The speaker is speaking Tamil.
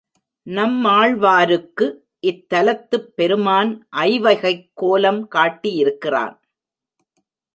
நம்மாழ்வாருக்கு இத்தலத்துப் பெருமான் ஐவகைக் கோலம் காட்டியிருக்கிறான்.